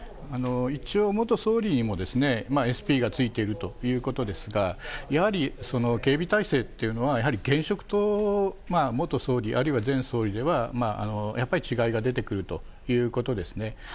一応、元総理にもＳＰが付いているということですが、やはり、警備体制というのは、やはり現職と元総理、あるいは前総理では、やっぱり違いが出てくるということですね。